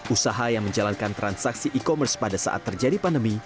usaha yang menjalankan transaksi e commerce pada saat terjadi pandemi